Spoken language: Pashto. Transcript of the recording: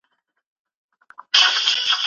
لاسونه هم باید لمر وویني.